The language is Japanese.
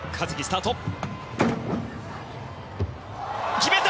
決めた！